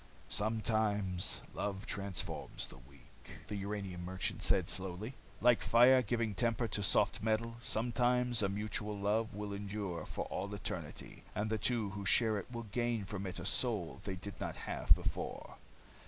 "Sometimes love transforms the weak," the uranium merchant said slowly. "Like fire giving temper to soft metal. Sometimes a mutual love will endure for all eternity, and the two who share it will gain from it a soul they did not have before.